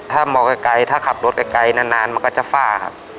ถ้ามองไกลไกลถ้าขับรถไกลไกลนานนานมันก็จะฟ้าครับ